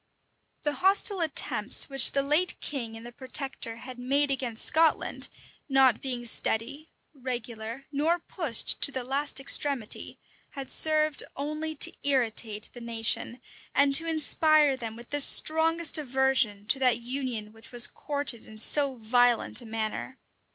The hostile attempts which the late king and the protector had made against Scotland, not being steady, regular, nor pushed to the last extremity, had served only to imitate the nation, and to inspire them with the strongest aversion to that union which was courted in so violent a manner.